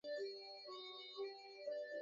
কানা ছেলের নাম পদ্মলোচন।